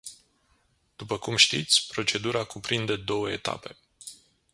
După cum știți, procedura cuprinde două etape.